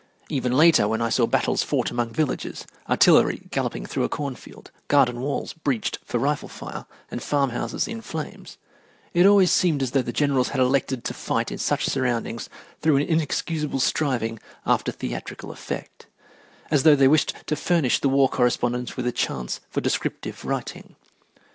Even later, when I saw battles fought among villages, artillery galloping through a cornfield, garden walls breached for rifle fire, and farm houses in flames, it always seemed as though the generals had elected to fight in such surroundings through an inexcusable striving after theatrical effect as though they wished to furnish the war correspondents with a chance for descriptive writing.